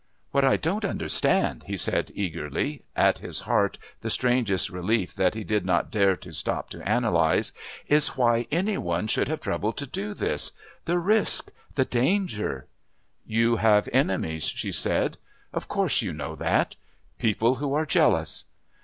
"What I don't understand," he said eagerly, at his heart the strangest relief that he did not dare to stop to analyse, "is why any one should have troubled to do this the risk, the danger " "You have enemies," she said. "Of course you know that. People who are jealous."